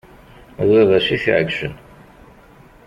D baba-s i t-iɛeggcen.